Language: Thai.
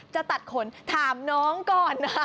จะตัดขนถามน้องก่อนนะ